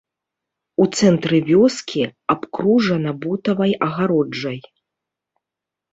У цэнтры вёскі, абкружана бутавай агароджай.